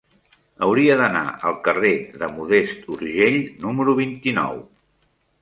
Hauria d'anar al carrer de Modest Urgell número vint-i-nou.